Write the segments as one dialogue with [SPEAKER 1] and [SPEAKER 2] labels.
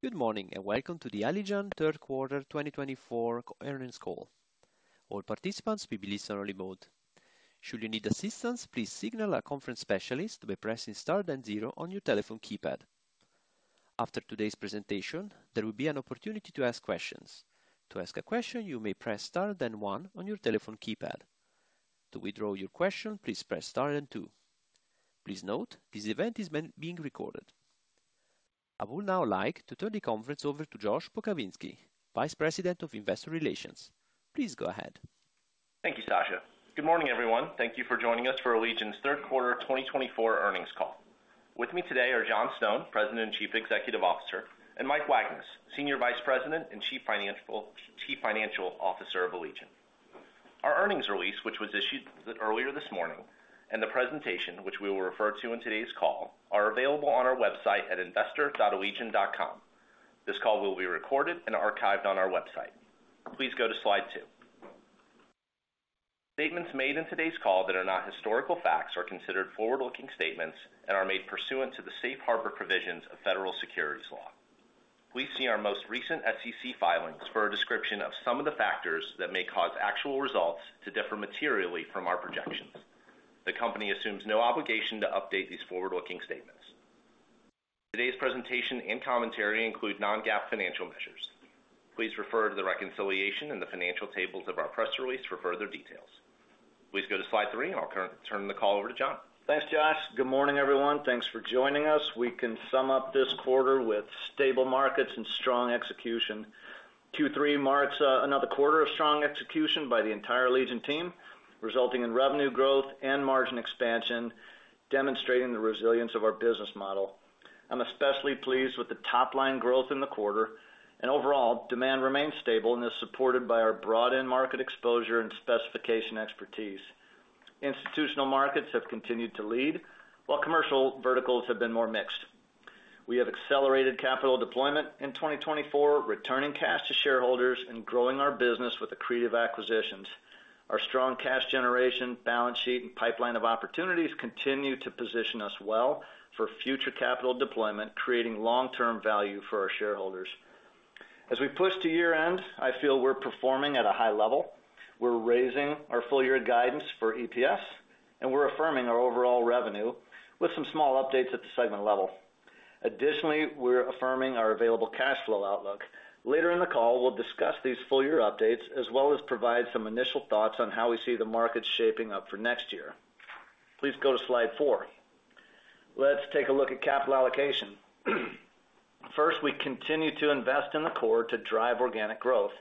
[SPEAKER 1] Good morning, and welcome to the Allegion Third Quarter 2024 Earnings Call. All participants will be in listen-only mode. Should you need assistance, please signal a conference specialist by pressing Star, then zero on your telephone keypad. After today's presentation, there will be an opportunity to ask questions. To ask a question, you may press Star, then one on your telephone keypad. To withdraw your question, please press Star and two. Please note, this event is being recorded. I would now like to turn the conference over to Josh Pokrzywinski, Vice President of Investor Relations. Please go ahead.
[SPEAKER 2] Thank you, Sasha. Good morning, everyone. Thank you for joining us for Allegion's third quarter 2024 earnings call. With me today are John Stone, President and Chief Executive Officer, and Mike Wagnes, Senior Vice President and Chief Financial Officer of Allegion. Our earnings release, which was issued earlier this morning, and the presentation, which we will refer to in today's call, are available on our website at investor.allegion.com. This call will be recorded and archived on our website. Please go to slide two. Statements made in today's call that are not historical facts are considered forward-looking statements and are made pursuant to the safe harbor provisions of federal securities law. Please see our most recent SEC filings for a description of some of the factors that may cause actual results to differ materially from our projections. The company assumes no obligation to update these forward-looking statements. Today's presentation and commentary include non-GAAP financial measures. Please refer to the reconciliation in the financial tables of our press release for further details. Please go to slide three, and I'll turn the call over to John.
[SPEAKER 3] Thanks, Josh. Good morning, everyone. Thanks for joining us. We can sum up this quarter with stable markets and strong execution. Q3 marks another quarter of strong execution by the entire Allegion team, resulting in revenue growth and margin expansion, demonstrating the resilience of our business model. I'm especially pleased with the top-line growth in the quarter, and overall, demand remains stable and is supported by our broad end-market exposure and specification expertise. Institutional markets have continued to lead, while commercial verticals have been more mixed. We have accelerated capital deployment in 2024, returning cash to shareholders and growing our business with accretive acquisitions. Our strong cash generation, balance sheet, and pipeline of opportunities continue to position us well for future capital deployment, creating long-term value for our shareholders. As we push to year-end, I feel we're performing at a high level. We're raising our full-year guidance for EPS, and we're affirming our overall revenue with some small updates at the segment level. Additionally, we're affirming our available cash flow outlook. Later in the call, we'll discuss these full-year updates, as well as provide some initial thoughts on how we see the market shaping up for next year. Please go to slide four. Let's take a look at capital allocation. First, we continue to invest in the core to drive organic growth.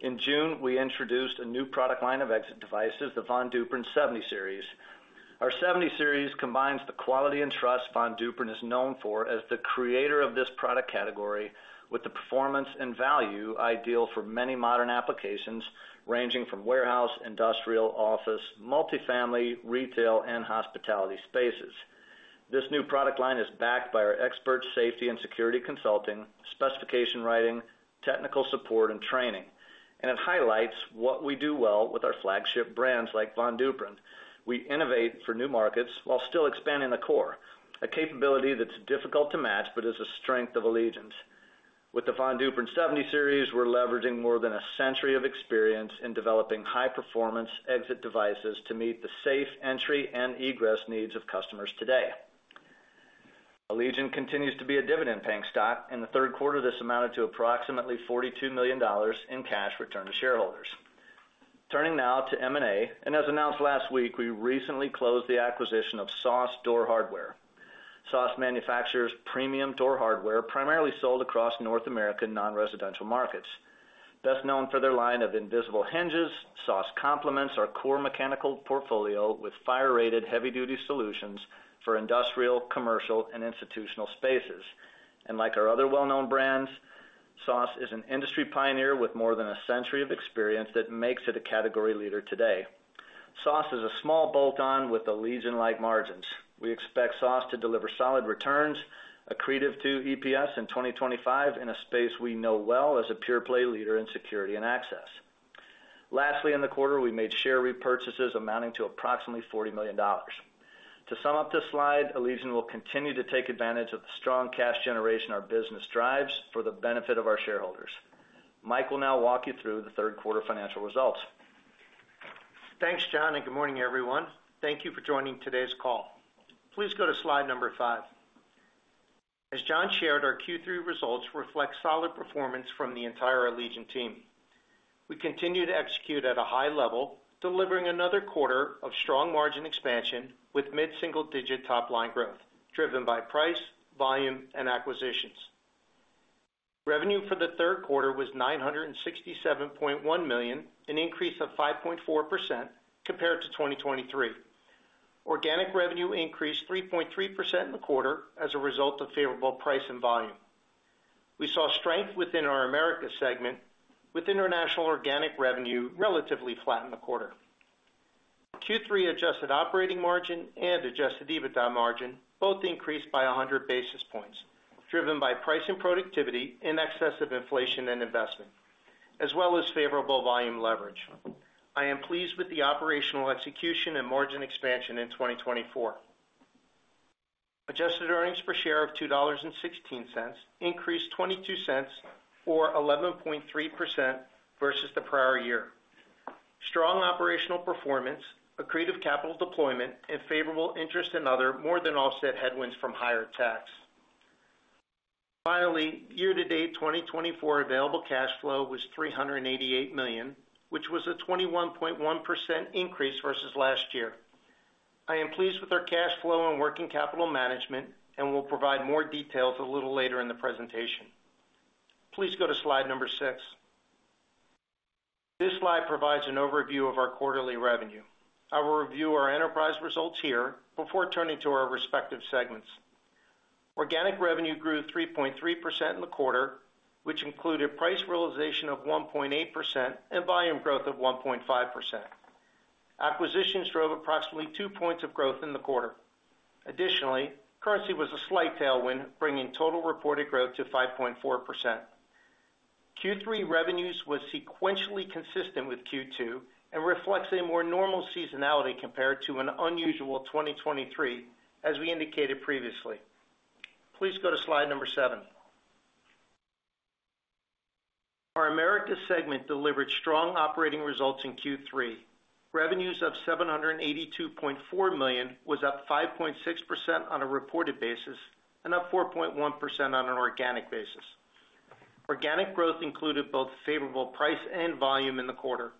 [SPEAKER 3] In June, we introduced a new product line of exit devices, the Von Duprin 70 Series. Our 70 Series combines the quality and trust Von Duprin is known for as the creator of this product category, with the performance and value ideal for many modern applications, ranging from warehouse, industrial, office, multifamily, retail, and hospitality spaces. This new product line is backed by our expert safety and security consulting, specification writing, technical support, and training. And it highlights what we do well with our flagship brands like Von Duprin. We innovate for new markets while still expanding the core, a capability that's difficult to match but is a strength of Allegion's. With the Von Duprin 70 Series, we're leveraging more than a century of experience in developing high-performance exit devices to meet the safe entry and egress needs of customers today. Allegion continues to be a dividend-paying stock. In the third quarter, this amounted to approximately $42 million in cash returned to shareholders. Turning now to M&A, and as announced last week, we recently closed the acquisition of SOSS Door Hardware. SOSS manufactures premium door hardware, primarily sold across North American non-residential markets. Best known for their line of invisible hinges, SOSS complements our core mechanical portfolio with fire-rated, heavy-duty solutions for industrial, commercial, and institutional spaces. And like our other well-known brands, SOSS is an industry pioneer with more than a century of experience that makes it a category leader today. SOSS is a small bolt-on with Allegion-like margins. We expect SOSS to deliver solid returns, accretive to EPS in 2025, in a space we know well as a pure-play leader in security and access. Lastly, in the quarter, we made share repurchases amounting to approximately $40 million. To sum up this slide, Allegion will continue to take advantage of the strong cash generation our business drives for the benefit of our shareholders. Mike will now walk you through the third quarter financial results.
[SPEAKER 1] Thanks, John, and good morning, everyone. Thank you for joining today's call. Please go to slide number five. As John shared, our Q3 results reflect solid performance from the entire Allegion team. We continue to execute at a high level, delivering another quarter of strong margin expansion with mid-single-digit top-line growth, driven by price, volume, and acquisitions. Revenue for the third quarter was $967.1 million, an increase of 5.4% compared to 2023. Organic revenue increased 3.3% in the quarter as a result of favorable price and volume. We saw strength within our Americas segment, with international organic revenue relatively flat in the quarter. Q3 adjusted operating margin and adjusted EBITDA margin both increased by 100 basis points, driven by price and productivity in excess of inflation and investment, as well as favorable volume leverage. I am pleased with the operational execution and margin expansion in twenty twenty-four. Adjusted Earnings Per Share of $2.16 increased $0.22, or 11.3%, versus the prior year. Strong operational performance, accretive capital deployment, and favorable interest and other more than offset headwinds from higher tax. Finally, year-to-date twenty twenty-four available cash flow was $388 million, which was a 21.1% increase versus last year. I am pleased with our cash flow and working capital management, and we'll provide more details a little later in the presentation. Please go to slide 6. This slide provides an overview of our quarterly revenue. I will review our enterprise results here before turning to our respective segments. Organic revenue grew 3.3% in the quarter, which included price realization of 1.8% and volume growth of 1.5%. Acquisitions drove approximately 2 points of growth in the quarter. Additionally, currency was a slight tailwind, bringing total reported growth to 5.4%. Q3 revenues was sequentially consistent with Q2 and reflects a more normal seasonality compared to an unusual 2023, as we indicated previously. Please go to slide number seven. Our Americas segment delivered strong operating results in Q3. Revenues of $782.4 million was up 5.6% on a reported basis and up 4.1% on an organic basis. Organic growth included both favorable price and volume in the quarter.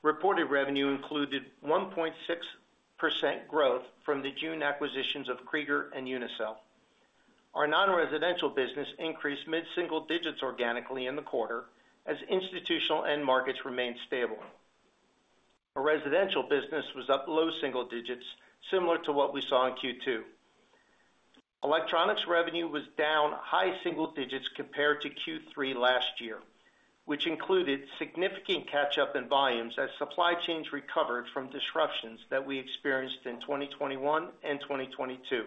[SPEAKER 1] Reported revenue included 1.6% growth from the June acquisitions of Krieger and Unicel. Our non-residential business increased mid-single digits organically in the quarter, as institutional end markets remained stable. Our residential business was up low single digits, similar to what we saw in Q2. Electronics revenue was down high single digits compared to Q3 last year, which included significant catch-up in volumes as supply chains recovered from disruptions that we experienced in 2021 and 2022.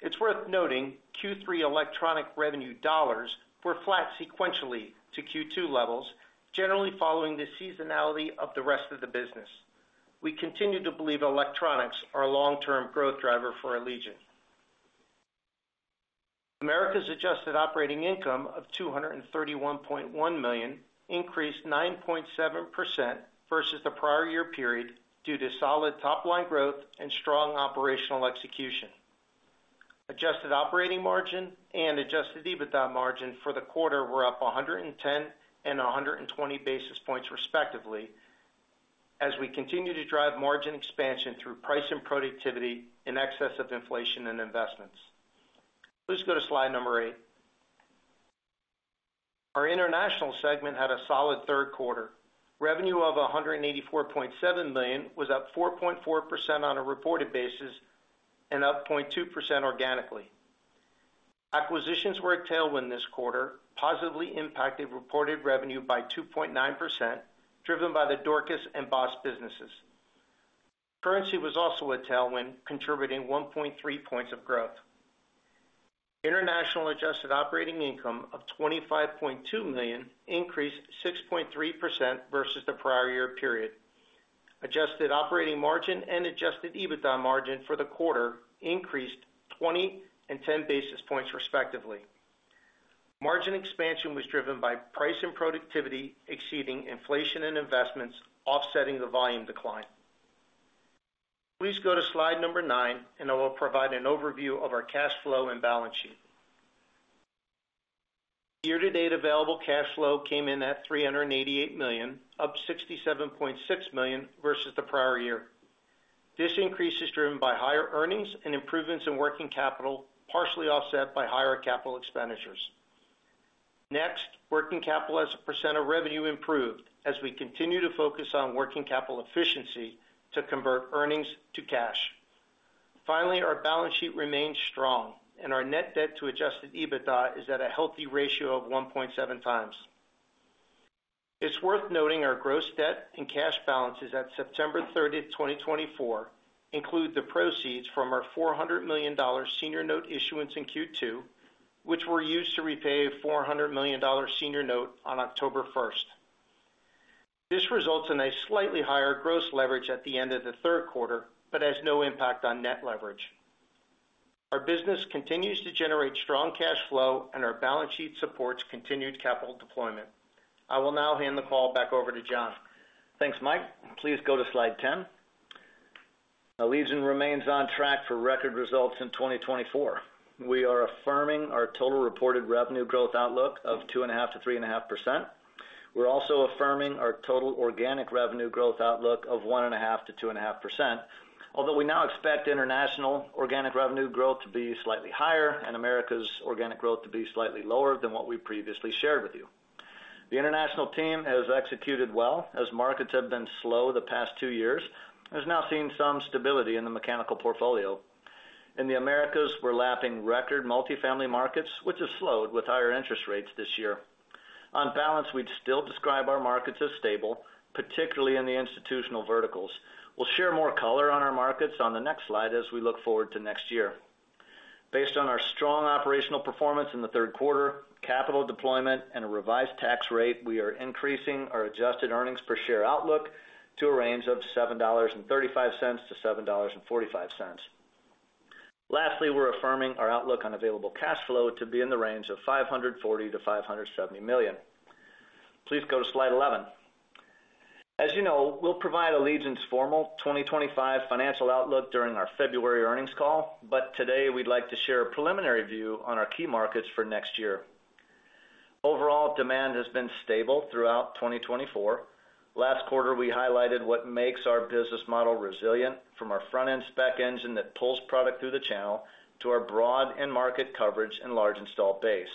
[SPEAKER 1] It's worth noting Q3 electronics revenue dollars were flat sequentially to Q2 levels, generally following the seasonality of the rest of the business. We continue to believe electronics are a long-term growth driver for Allegion. Americas adjusted operating income of $231.1 million increased 9.7% versus the prior year period due to solid top-line growth and strong operational execution. Adjusted operating margin and adjusted EBITDA margin for the quarter were up 110 and 120 basis points, respectively, as we continue to drive margin expansion through price and productivity in excess of inflation and investments. Please go to slide number 8. Our International segment had a solid third quarter. Revenue of $184.7 million was up 4.4% on a reported basis and up 0.2% organically. Acquisitions were a tailwind this quarter, positively impacting reported revenue by 2.9%, driven by the Dorcas and Boss businesses. Currency was also a tailwind, contributing 1.3 points of growth. International adjusted operating income of $25.2 million increased 6.3% versus the prior year period. Adjusted operating margin and adjusted EBITDA margin for the quarter increased 20 and 10 basis points, respectively. Margin expansion was driven by price and productivity exceeding inflation and investments, offsetting the volume decline. Please go to slide number nine, and I will provide an overview of our cash flow and balance sheet. Year-to-date Available Cash Flow came in at $388 million, up $67.6 million versus the prior year. This increase is driven by higher earnings and improvements in working capital, partially offset by higher capital expenditures. Next, working capital as a % of revenue improved as we continue to focus on working capital efficiency to convert earnings to cash. Finally, our balance sheet remains strong, and our net debt to Adjusted EBITDA is at a healthy ratio of 1.7 times. It's worth noting our gross debt and cash balances at September thirtieth, twenty twenty-four, include the proceeds from our $400 million senior note issuance in Q2, which were used to repay a $400 million senior note on October first. This results in a slightly higher gross leverage at the end of the third quarter, but has no impact on net leverage. Our business continues to generate strong cash flow, and our balance sheet supports continued capital deployment. I will now hand the call back over to John.
[SPEAKER 3] Thanks, Mike. Please go to slide ten. Allegion remains on track for record results in twenty twenty-four. We are affirming our total reported revenue growth outlook of 2.5%-3.5%. We're also affirming our total organic revenue growth outlook of 1.5%-2.5%, although we now expect International organic revenue growth to be slightly higher and Americas organic growth to be slightly lower than what we previously shared with you. The International team has executed well, as markets have been slow the past two years and has now seen some stability in the mechanical portfolio. In the Americas, we're lapping record multifamily markets, which have slowed with higher interest rates this year. On balance, we'd still describe our markets as stable, particularly in the institutional verticals. We'll share more color on our markets on the next slide as we look forward to next year. Based on our strong operational performance in the third quarter, capital deployment, and a revised tax rate, we are increasing our adjusted earnings per share outlook to a range of $7.35-$7.45. Lastly, we're affirming our outlook on available cash flow to be in the range of $540-$570 million. Please go to slide eleven. As you know, we'll provide Allegion's formal twenty twenty-five financial outlook during our February earnings call, but today we'd like to share a preliminary view on our key markets for next year. Overall, demand has been stable throughout twenty twenty-four. Last quarter, we highlighted what makes our business model resilient, from our front-end spec engine that pulls product through the channel, to our broad end market coverage and large installed base,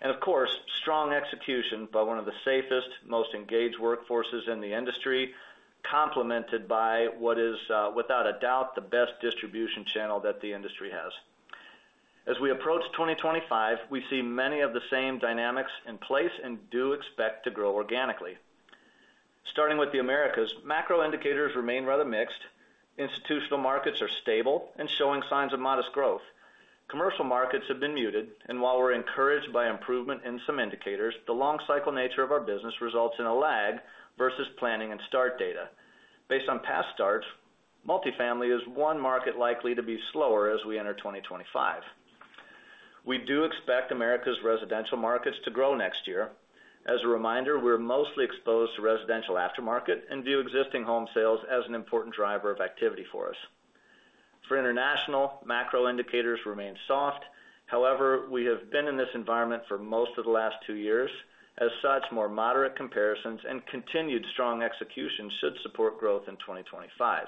[SPEAKER 3] and of course, strong execution by one of the safest, most engaged workforces in the industry, complemented by what is, without a doubt, the best distribution channel that the industry has. As we approach 2025, we see many of the same dynamics in place and do expect to grow organically. Starting with the Americas, macro indicators remain rather mixed. Institutional markets are stable and showing signs of modest growth. Commercial markets have been muted, and while we're encouraged by improvement in some indicators, the long cycle nature of our business results in a lag versus planning and start data. Based on past starts, multifamily is one market likely to be slower as we enter 2025. We do expect Americas residential markets to grow next year. As a reminder, we're mostly exposed to residential aftermarket and view existing home sales as an important driver of activity for us. For International, macro indicators remain soft. However, we have been in this environment for most of the last two years. As such, more moderate comparisons and continued strong execution should support growth in 2025.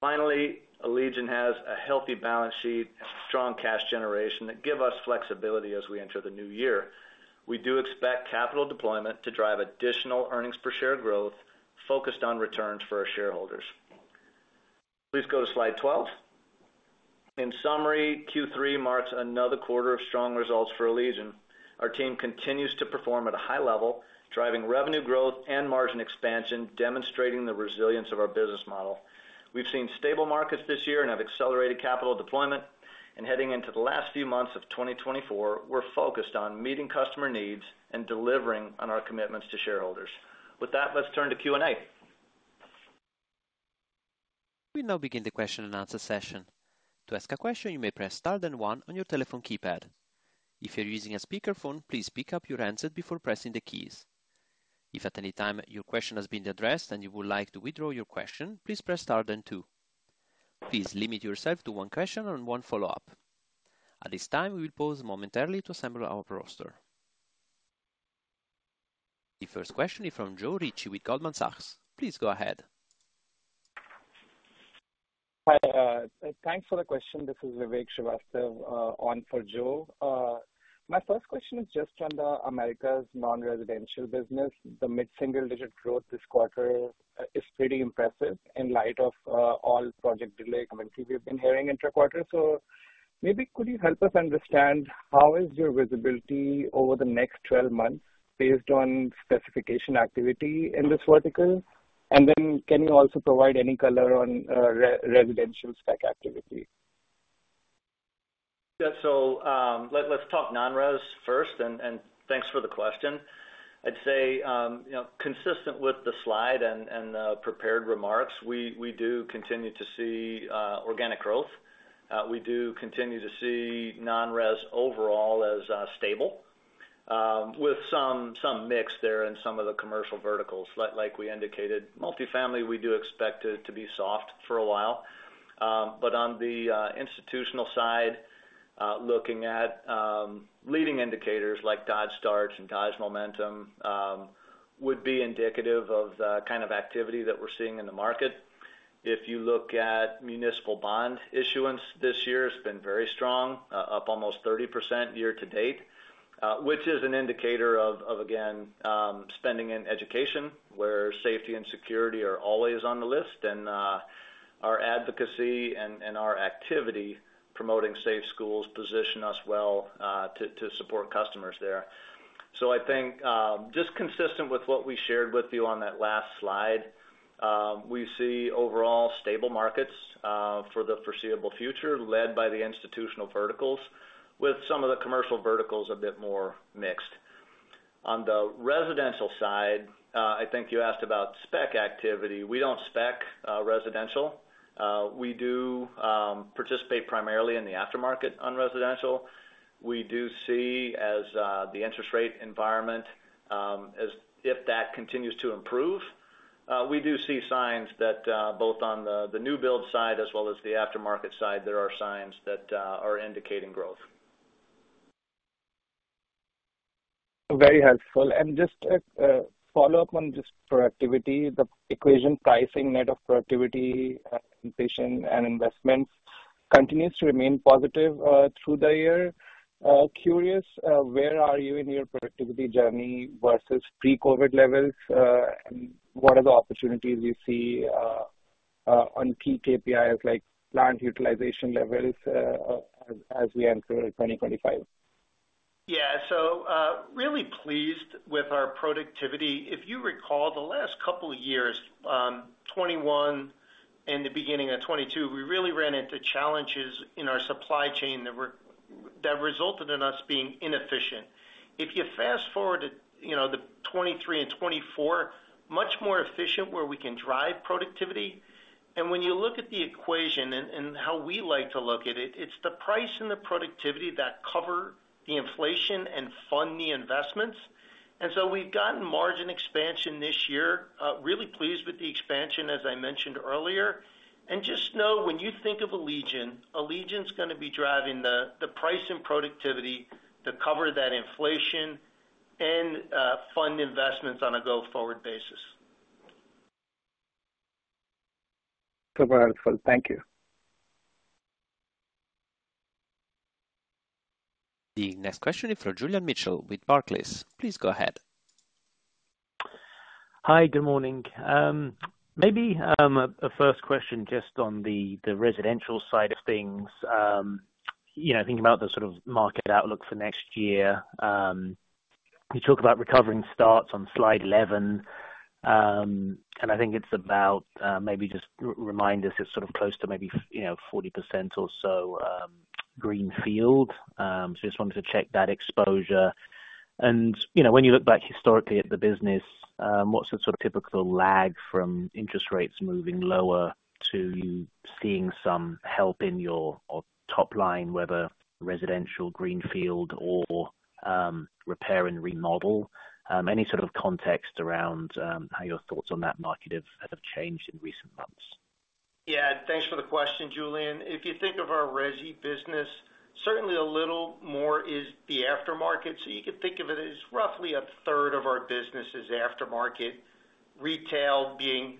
[SPEAKER 3] Finally, Allegion has a healthy balance sheet and strong cash generation that give us flexibility as we enter the new year. We do expect capital deployment to drive additional earnings per share growth, focused on returns for our shareholders. Please go to slide 12. In summary, Q3 marks another quarter of strong results for Allegion. Our team continues to perform at a high level, driving revenue growth and margin expansion, demonstrating the resilience of our business model. We've seen stable markets this year and have accelerated capital deployment, and heading into the last few months of 2024, we're focused on meeting customer needs and delivering on our commitments to shareholders. With that, let's turn to Q&A.
[SPEAKER 4] We now begin the question-and-answer session. To ask a question, you may press star then one on your telephone keypad. If you're using a speakerphone, please pick up your handset before pressing the keys. If at any time your question has been addressed and you would like to withdraw your question, please press star then two. Please limit yourself to one question and one follow-up. At this time, we will pause momentarily to assemble our roster. The first question is from Joe Ricci with Goldman Sachs. Please go ahead.
[SPEAKER 5] Hi, thanks for the question. This is Vivek Srivastava, on for Joe. My first question is just on the Americas non-residential business. The mid-single-digit growth this quarter is pretty impressive in light of all project delays we've been hearing intra-quarter. So maybe could you help us understand how is your visibility over the next twelve months based on specification activity in this vertical? And then can you also provide any color on residential spec activity?
[SPEAKER 3] Yeah. So, let's talk non-res first, and thanks for the question. I'd say, you know, consistent with the slide and prepared remarks, we do continue to see organic growth. We do continue to see non-res overall as stable, with some mix there in some of the commercial verticals. Like we indicated, multifamily, we do expect it to be soft for a while. But on the institutional side, looking at leading indicators like Dodge Starts and Dodge Momentum, would be indicative of the kind of activity that we're seeing in the market. If you look at municipal bond issuance this year, it's been very strong, up almost 30% year to date, which is an indicator of, again, spending in education, where safety and security are always on the list. Our advocacy and our activity promoting safe schools position us well, to support customers there. I think, just consistent with what we shared with you on that last slide, we see overall stable markets, for the foreseeable future, led by the institutional verticals, with some of the commercial verticals a bit more mixed. On the residential side, I think you asked about spec activity. We don't spec residential. We do, participate primarily in the aftermarket on residential. We do see, as the interest rate environment, as if that continues to improve, we do see signs that both on the new build side as well as the aftermarket side, there are signs that are indicating growth.
[SPEAKER 5] Very helpful. And just a follow-up on just productivity. The equation pricing net of productivity, completion and investments continues to remain positive through the year. Curious, where are you in your productivity journey versus pre-COVID levels? And what are the opportunities you see on key KPIs like plant utilization levels as we enter twenty twenty-five?
[SPEAKER 1] Yeah. So, really pleased with our productivity. If you recall, the last couple of years, 2021 and the beginning of 2022, we really ran into challenges in our supply chain that resulted in us being inefficient. If you fast-forward to, you know, the 2023 and 2024, much more efficient, where we can drive productivity. And when you look at the equation and how we like to look at it, it's the price and the productivity that cover the inflation and fund the investments. And so we've gotten margin expansion this year. Really pleased with the expansion, as I mentioned earlier. And just know, when you think of Allegion, Allegion's gonna be driving the price and productivity to cover that inflation and fund investments on a go-forward basis.
[SPEAKER 5] Super helpful. Thank you.
[SPEAKER 4] The next question is from Julian Mitchell with Barclays. Please go ahead.
[SPEAKER 6] Hi, good morning. Maybe a first question just on the residential side of things. You know, thinking about the sort of market outlook for next year. You talk about recovering starts on slide 11, and I think it's about maybe just remind us, it's sort of close to maybe 40% or so greenfield. So just wanted to check that exposure, and you know, when you look back historically at the business, what's the sort of typical lag from interest rates moving lower to you seeing some help in your or top line, whether residential, greenfield, or repair and remodel? Any sort of context around how your thoughts on that market have changed in recent months?
[SPEAKER 1] Yeah, thanks for the question, Julian. If you think of our resi business, certainly a little more is the aftermarket. So you could think of it as roughly a third of our business is aftermarket, retail being...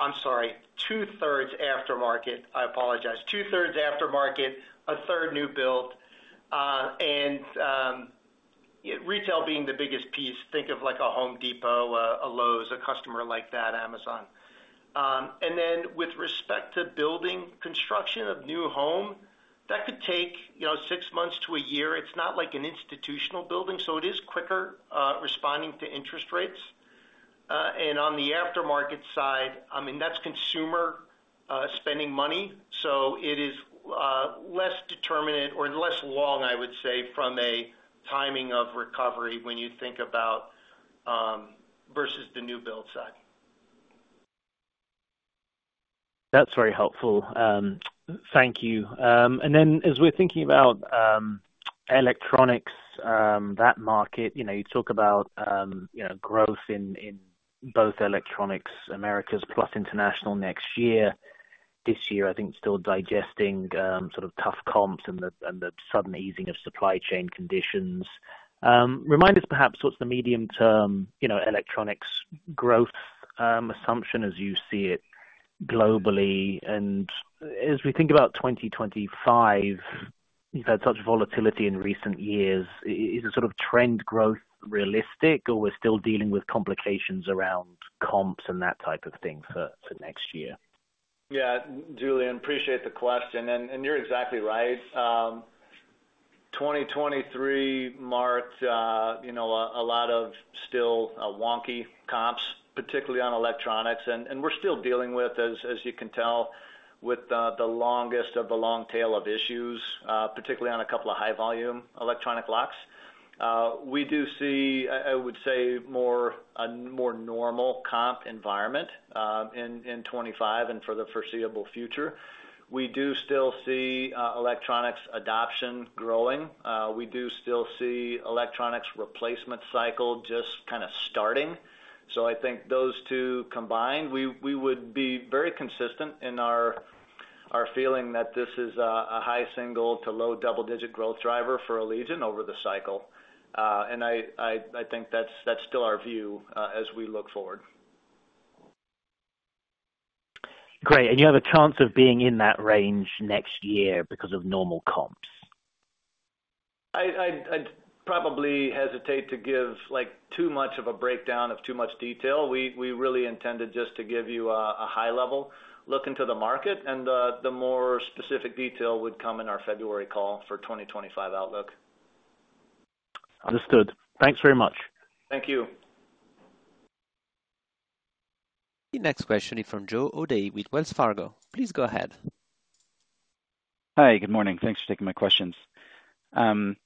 [SPEAKER 1] I'm sorry, two-thirds aftermarket. I apologize. Two-thirds aftermarket, a third new build, retail being the biggest piece, think of like a Home Depot, a Lowe's, a customer like that, Amazon. And then with respect to building construction of new home, that could take, you know, six months to a year. It's not like an institutional building, so it is quicker responding to interest rates. And on the aftermarket side, I mean, that's consumer spending money, so it is less determinant or less long, I would say, from a timing of recovery when you think about versus the new build side.
[SPEAKER 6] That's very helpful. Thank you. And then as we're thinking about electronics, that market, you know, you talk about you know, growth in both electronics, Americas plus international next year. This year, I think, still digesting sort of tough comps and the sudden easing of supply chain conditions. Remind us perhaps, what's the medium-term, you know, electronics growth assumption as you see it globally? And as we think about twenty twenty-five, you've had such volatility in recent years, is a sort of trend growth realistic, or we're still dealing with complications around comps and that type of thing for next year?
[SPEAKER 1] Yeah, Julian, appreciate the question, and you're exactly right. 2023 marked, you know, a lot of still wonky comps, particularly on electronics. And we're still dealing with, as you can tell, with the longest of the long tail of issues, particularly on a couple of high-volume electronic locks. We do see, I would say, a more normal comp environment in 2025 and for the foreseeable future. We do still see electronics adoption growing. We do still see electronics replacement cycle just kind of starting. So I think those two combined, we would be very consistent in our feeling that this is a high single-digit to low double-digit growth driver for Allegion over the cycle. And I think that's still our view as we look forward.
[SPEAKER 6] Great, and you have a chance of being in that range next year because of normal comps?
[SPEAKER 1] I'd probably hesitate to give, like, too much of a breakdown of too much detail. We really intended just to give you a high-level look into the market, and the more specific detail would come in our February call for 2025 outlook.
[SPEAKER 6] Understood. Thanks very much.
[SPEAKER 1] Thank you.
[SPEAKER 4] The next question is from Joe O'Day with Wells Fargo. Please go ahead.
[SPEAKER 7] Hi, good morning. Thanks for taking my questions. Just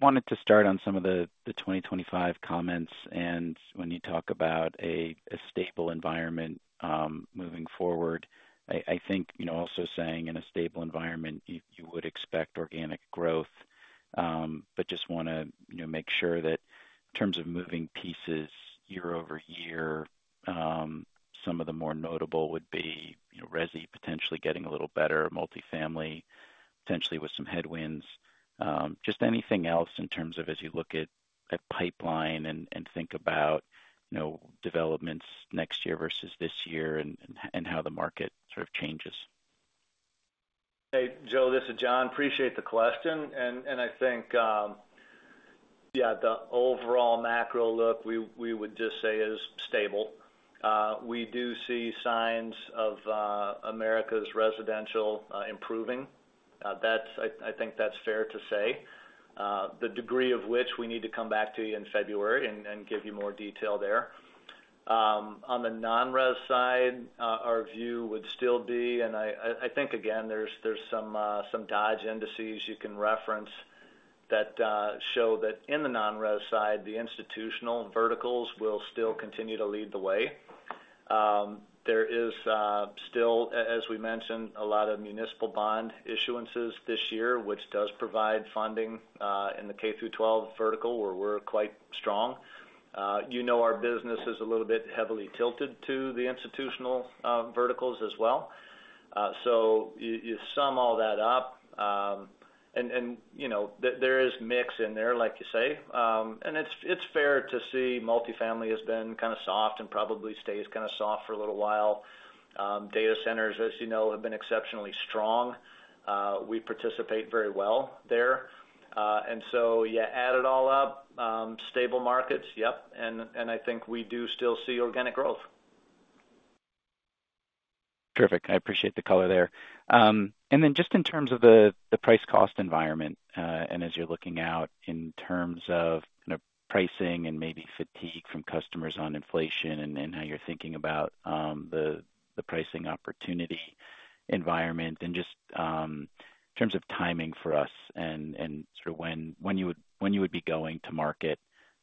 [SPEAKER 7] wanted to start on some of the twenty twenty-five comments. And when you talk about a stable environment, moving forward, I think, you know, also saying in a stable environment, you would expect organic growth. But just want to, you know, make sure that in terms of moving pieces year over year, some of the more notable would be, you know, resi potentially getting a little better, multifamily potentially with some headwinds. Just anything else in terms of as you look at pipeline and think about, you know, developments next year versus this year and how the market sort of changes?
[SPEAKER 3] Hey, Joe, this is John. Appreciate the question, and I think,... Yeah, the overall macro look, we would just say is stable. We do see signs of Americas residential improving. That's - I think that's fair to say. The degree of which we need to come back to you in February and give you more detail there. On the non-res side, our view would still be, and I think, again, there's some Dodge indices you can reference that show that in the non-res side, the institutional verticals will still continue to lead the way. There is still, as we mentioned, a lot of municipal bond issuances this year, which does provide funding in the K through twelve vertical, where we're quite strong. You know our business is a little bit heavily tilted to the institutional verticals as well. So you sum all that up, and you know, there is mix in there, like you say. And it's fair to see multifamily has been kind of soft and probably stays kind of soft for a little while. Data centers, as you know, have been exceptionally strong. We participate very well there. And so you add it all up, stable markets, yep, and I think we do still see organic growth.
[SPEAKER 7] Terrific. I appreciate the color there, and then just in terms of the price cost environment, and as you're looking out in terms of kind of pricing and maybe fatigue from customers on inflation and how you're thinking about the pricing opportunity environment, and just in terms of timing for us and sort of when you would be going to market,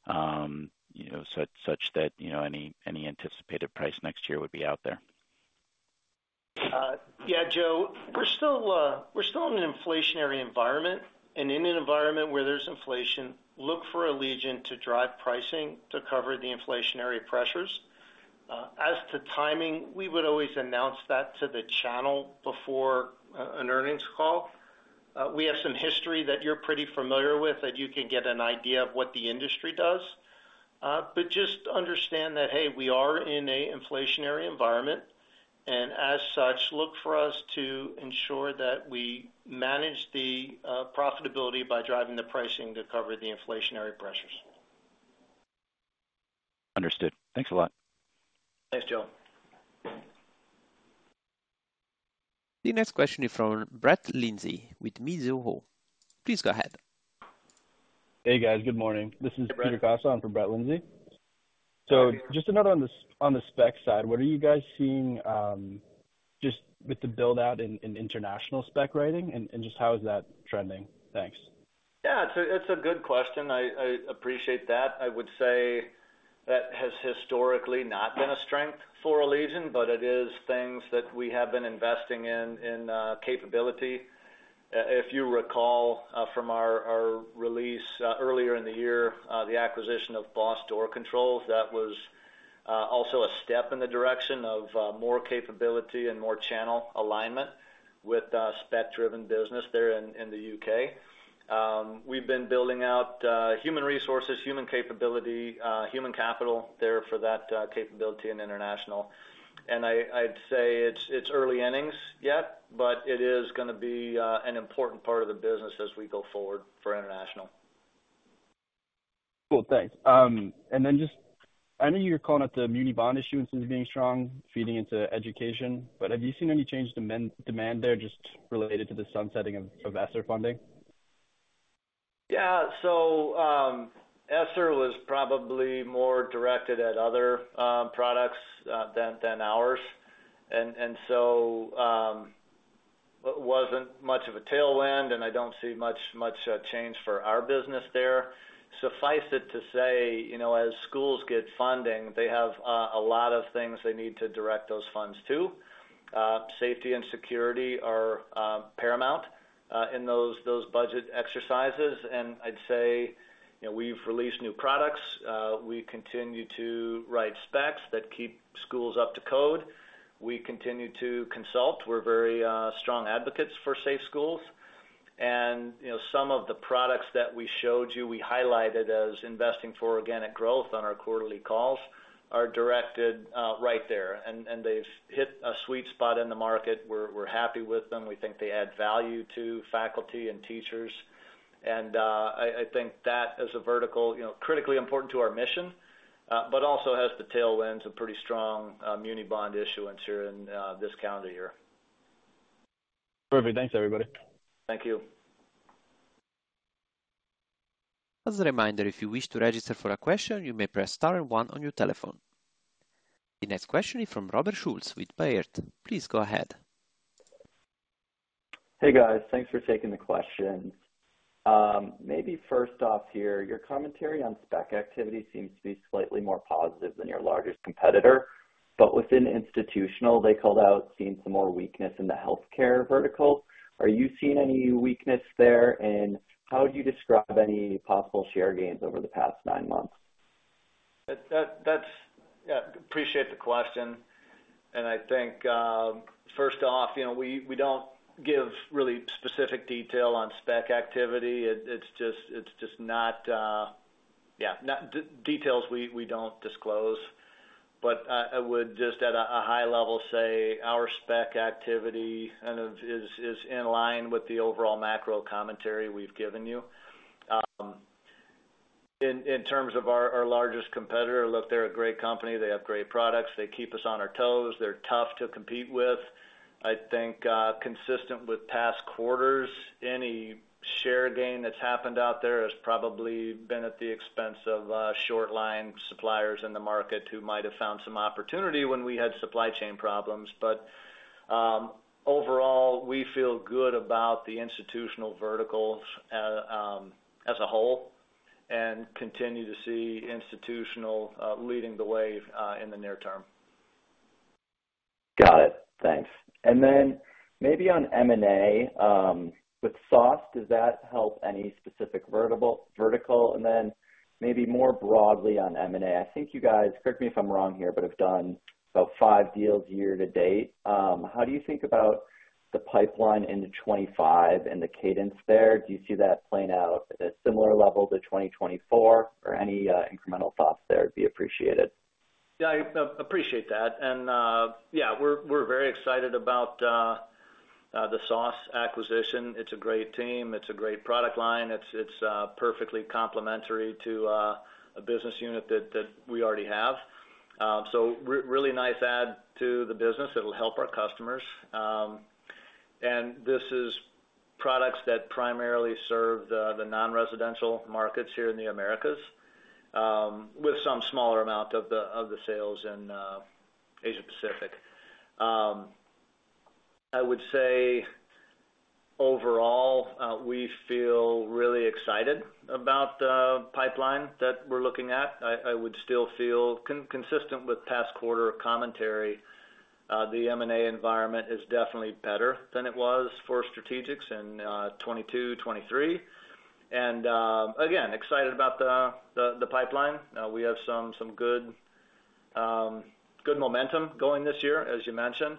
[SPEAKER 7] you know, such that you know any anticipated price next year would be out there?
[SPEAKER 1] Yeah, Joe, we're still in an inflationary environment, and in an environment where there's inflation, look for Allegion to drive pricing to cover the inflationary pressures. As to timing, we would always announce that to the channel before an earnings call. We have some history that you're pretty familiar with, that you can get an idea of what the industry does. But just understand that, hey, we are in an inflationary environment, and as such, look for us to ensure that we manage the profitability by driving the pricing to cover the inflationary pressures.
[SPEAKER 7] Understood. Thanks a lot.
[SPEAKER 1] Thanks, Joe.
[SPEAKER 4] The next question is from Brett Lindsey with Mizuho. Please go ahead.
[SPEAKER 8] Hey, guys. Good morning. This is Peter Kasa. I'm from Brett Lindsey. So just another on the spec side, what are you guys seeing, just with the build-out in international spec writing and just how is that trending? Thanks.
[SPEAKER 3] Yeah, it's a good question. I appreciate that. I would say that has historically not been a strength for Allegion, but it is things that we have been investing in capability. If you recall, from our release earlier in the year, the acquisition of Boss Door Controls, that was also a step in the direction of more capability and more channel alignment with spec-driven business there in the U.K. We've been building out human resources, human capability, human capital there for that capability in international. And I'd say it's early innings yet, but it is gonna be an important part of the business as we go forward for international.
[SPEAKER 9] Cool, thanks. And then just... I know you're calling out the muni bond issuances being strong, feeding into education, but have you seen any change in demand there, just related to the sunsetting of ESSER funding?
[SPEAKER 3] Yeah. So, ESSER was probably more directed at other products than ours. And so, it wasn't much of a tailwind, and I don't see much change for our business there. Suffice it to say, you know, as schools get funding, they have a lot of things they need to direct those funds to. Safety and security are paramount in those budget exercises. And I'd say, you know, we've released new products. We continue to write specs that keep schools up to code. We continue to consult. We're very strong advocates for safe schools. And, you know, some of the products that we showed you, we highlighted as investing for organic growth on our quarterly calls, are directed right there, and they've hit a sweet spot in the market. We're happy with them. We think they add value to faculty and teachers, and I think that as a vertical, you know, critically important to our mission, but also has the tailwinds of pretty strong muni bond issuance here in this calendar year.
[SPEAKER 8] Perfect. Thanks, everybody.
[SPEAKER 3] Thank you.
[SPEAKER 4] As a reminder, if you wish to register for a question, you may press star one on your telephone. The next question is from Robert Schultz with Baird. Please go ahead.
[SPEAKER 10] Hey, guys. Thanks for taking the question. Maybe first off here, your commentary on spec activity seems to be slightly more positive than your largest competitor, but within institutional, they called out seeing some more weakness in the healthcare vertical. Are you seeing any weakness there, and how would you describe any possible share gains over the past nine months?
[SPEAKER 3] Yeah, appreciate the question. And I think, first off, you know, we don't give really specific detail on spec activity. It's just not details we don't disclose. But I would just at a high level say our spec activity kind of is in line with the overall macro commentary we've given you. In terms of our largest competitor, look, they're a great company. They have great products. They keep us on our toes. They're tough to compete with. I think, consistent with past quarters, any share gain that's happened out there has probably been at the expense of short line suppliers in the market who might have found some opportunity when we had supply chain problems. But, overall, we feel good about the institutional verticals, as a whole, and continue to see institutional leading the way, in the near term.
[SPEAKER 10] Got it. Thanks. And then maybe on M&A, with SOSS, does that help any specific vertical? And then maybe more broadly on M&A, I think you guys, correct me if I'm wrong here, but have done about five deals year to date. How do you think about the pipeline into 2025 and the cadence there? Do you see that playing out at a similar level to 2024? Or any incremental thoughts there would be appreciated.
[SPEAKER 3] Yeah, I appreciate that. And yeah, we're very excited about the SOSS acquisition. It's a great team. It's a great product line. It's perfectly complementary to a business unit that we already have. So really nice add to the business. It'll help our customers. And this is products that primarily serve the non-residential markets here in the Americas, with some smaller amount of the sales in Asia Pacific. I would say, overall, we feel really excited about the pipeline that we're looking at. I would still feel consistent with past quarter commentary, the M&A environment is definitely better than it was for strategics in 2022, 2023. And again, excited about the pipeline. We have some good momentum going this year, as you mentioned,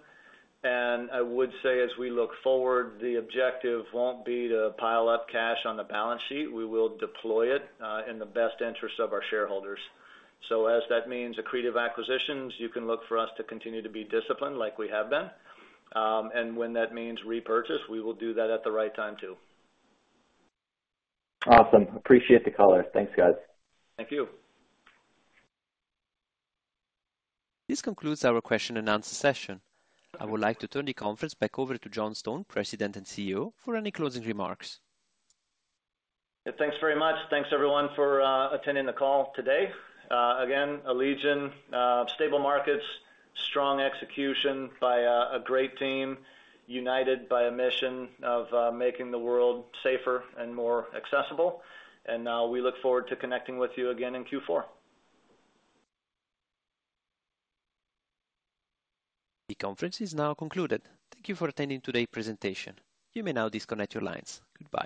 [SPEAKER 3] and I would say as we look forward, the objective won't be to pile up cash on the balance sheet. We will deploy it in the best interest of our shareholders, so as that means accretive acquisitions, you can look for us to continue to be disciplined like we have been, and when that means repurchase, we will do that at the right time, too.
[SPEAKER 10] Awesome. Appreciate the color. Thanks, guys.
[SPEAKER 3] Thank you.
[SPEAKER 4] This concludes our question and answer session. I would like to turn the conference back over to John Stone, President and CEO, for any closing remarks.
[SPEAKER 3] Yeah, thanks very much. Thanks, everyone, for attending the call today. Again, Allegion stable markets, strong execution by a great team, united by a mission of making the world safer and more accessible. And we look forward to connecting with you again in Q4.
[SPEAKER 4] The conference is now concluded. Thank you for attending today's presentation. You may now disconnect your lines. Goodbye.